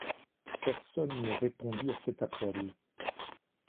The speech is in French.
Personne ne répondit à cet appel.